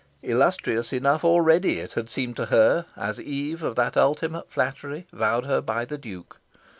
Illustrious enough already it had seemed to her, as eve of that ultimate flattery vowed her by the Duke.